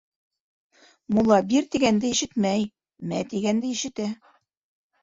Мулла «бир» тигәнде ишетмәй, «мә» тигәнде ишетә.